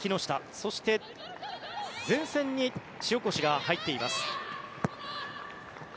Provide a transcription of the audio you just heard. そして、前線に塩越が入っています。